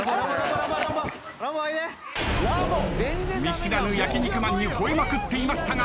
見知らぬ焼肉マンに吠えまくっていましたが。